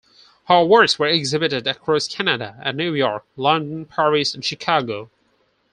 Her works were exhibited across Canada and New York, London, Paris, and Chicago.